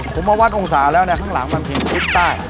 ผมมาวัดองศาแล้วเนี่ยข้างหลังมันมีทิศใต้